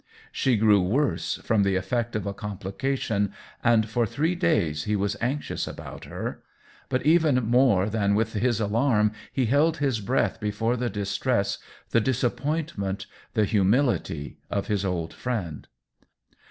She grew worse, from the effect of a complication, and for three days he was anxious about her ; but even more than with his alarm he held his breath before the distress, the disappointment, the humility of his old friend.